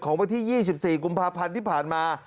วันที่๒๔กุมภาพันธ์ที่ผ่านมา